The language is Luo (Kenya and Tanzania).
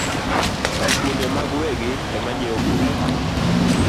Sikunde mar wegi emang’iewo buge